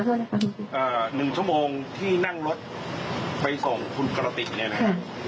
ขอโทษนะครับอ่าหนึ่งชั่วโมงที่นั่งรถไปส่งคุณกระติกเนี้ยนะครับ